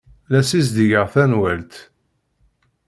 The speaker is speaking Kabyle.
La ssizdigeɣ tanwalt.